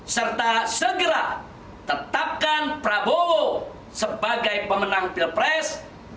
serta segera tetapkan prabowo sebagai pemenang pilpres dua ribu sembilan belas